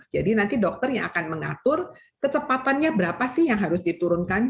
jadi nanti dokter yang akan mengatur kecepatannya berapa sih yang harus diturunkan